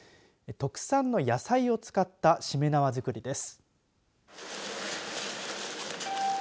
特産の野菜を使ったしめ縄づくりです。